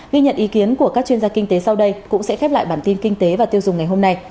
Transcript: ghi nhận ý kiến của các chuyên gia kinh tế sau đây cũng sẽ khép lại bản tin kinh tế và tiêu dùng ngày hôm nay